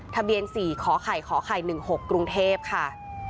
ทะเบียน๔ขอไข่ขอไข่๑๖กรุงเทพค่ะ